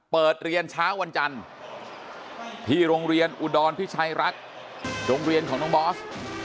เปิดเรียนเช้าวันจันทร์ที่โรงเรียนอุดรพิชัยรักษ์โรงเรียนของน้องบอส